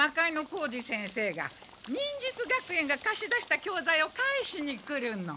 小路先生が忍術学園がかし出した教材を返しに来るの。